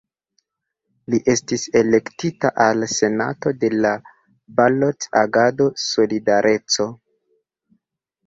Li estis elektita al Senato de la Balot-Agado "Solidareco".